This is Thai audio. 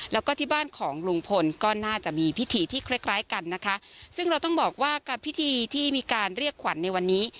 แล้วก็ที่บ้านของลุงพลก็น่าจะมีพิธีที่คล้ายคล้ายกันนะคะซึ่งเราต้องบอกว่ากับพิธีที่มีการเรียกขวัญในวันนี้